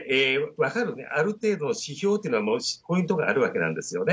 分かる、ある程度の指標というのは、ポイントがあるわけなんですよね。